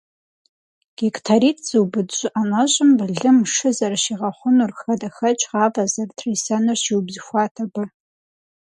Гектаритӏ зыубыд щӏы ӏэнэщӏым былым, шы зэрыщигъэхъунур, хадэхэкӏ, гъавэ зэрытрисэнур щиубзыхуат абы.